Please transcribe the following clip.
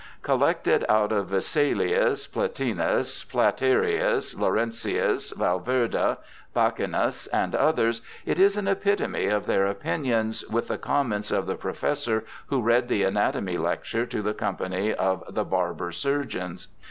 Collected out of Vesalius, Plantinus, Platerius, Laurentius, Valverda, Bauchinus, and others, it is an epitome of their opinions, with the comments of the professor who read the anatomy lecture to the Company of the Barber Surgeons.